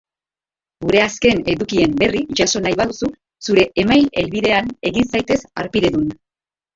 Gure azken edukien berri jaso nahi baduzu zure email helbidean, egin zaitez harpidedun.